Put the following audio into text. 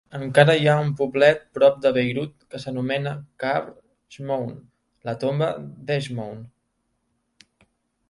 Encara hi ha un poblet prop de Beirut que s'anomena Qabr Shmoun, "la tomba d'Eshmoun".